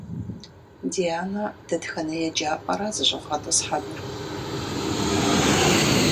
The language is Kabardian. Дианэ дэтхэнэ еджапӏэра зыщӏэвгъэтӏысхьэнур?